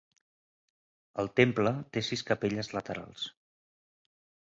El temple té sis capelles laterals.